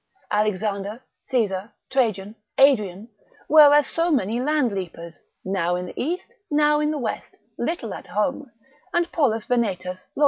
Alexander, Caesar, Trajan, Adrian, were as so many land leapers, now in the east, now in the west, little at home; and Polus Venetus, Lod.